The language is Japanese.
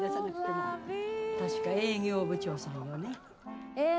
確か営業部長さんよね？